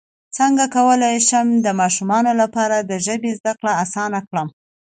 څنګه کولی شم د ماشومانو لپاره د ژبې زدکړه اسانه کړم